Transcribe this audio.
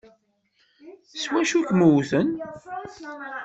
S wacu i kem-wwten?